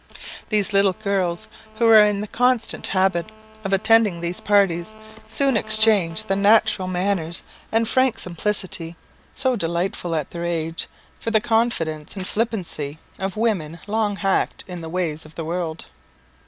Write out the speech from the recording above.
Little girls who are in the constant habit of attending these parties, soon exchange the natural manners and frank simplicity so delightful at their age, for the confidence and flippancy of women long hacked in the ways of the world.